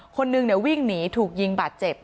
คนหนึ่งวิ่งหนีถูกยิงบาดเจ็บ